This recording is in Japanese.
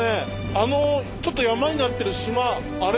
あのちょっと山になってる島あれ